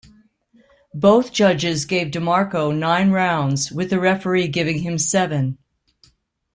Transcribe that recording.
Both judges gave DeMarco nine rounds, with the referee giving him seven.